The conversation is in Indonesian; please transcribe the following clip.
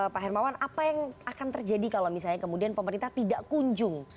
pak hermawan apa yang akan terjadi kalau misalnya kemudian pemerintah tidak kunjung